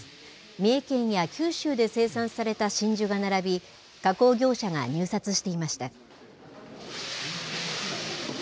三重県や九州で生産された真珠が並び、加工業者が入札していました。